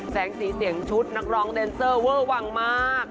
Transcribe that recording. แสงสีเสียงชุดนักร้องแดนเซอร์เวอร์วังมาก